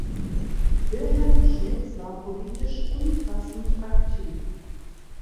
Wilhelm Schmitz war politisch umfassend aktiv.